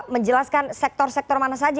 menjelaskan sektor sektor mana saja